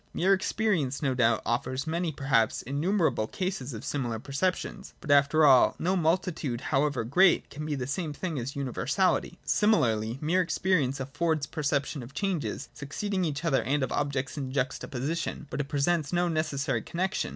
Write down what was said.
Mere experience no doubt offers many, perhaps innumerable cases of similar perceptions : but, after all, no multitude, however great, can be the same thing as universality. Similarly, mere experience affords perceptions of changes succeeding each other and of objects in juxtaposition ; but it presents no 82 SECOND ATTITUDE TO OBJECTIVITY. [39,40 necessary connexion.